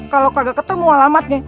kalau kagak ketemu alamatnya